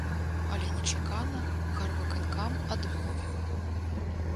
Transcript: Але нечакана гарвыканкам адмовіў.